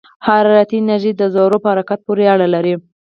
حرارتي انرژي د ذرّو په حرکت پورې اړه لري.